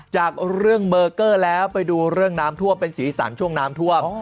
จากเรื่องเบอร์เกอร์แล้วไปดูเรื่องน้ำท่วมเป็นสีสันช่วงน้ำท่วม